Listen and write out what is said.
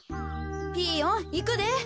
ピーヨンいくで。